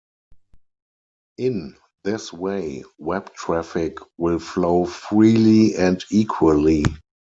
In this way, web traffic will flow freely and equally.